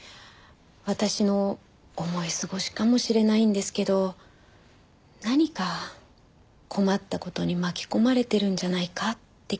私の思い過ごしかもしれないんですけど何か困った事に巻き込まれてるんじゃないかって気がして。